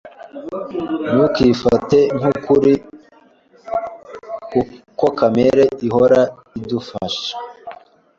Ntukifate nk'ukuri ko kamere ihora idufasha.